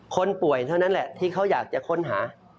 คนป่วยเท่านั้นแหละที่เขาอยากจะค้นหา